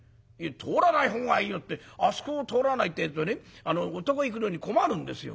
「通らないほうがいいよってあそこを通らないってえとねお得意行くのに困るんですよ」。